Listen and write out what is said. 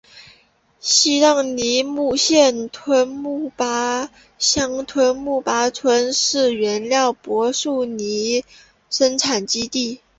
西藏尼木县吞巴乡吞巴村是原料柏树泥的生产基地。